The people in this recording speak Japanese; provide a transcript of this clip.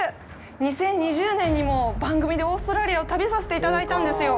２０２０年にも番組でオーストラリアを旅させていただいたんですよ。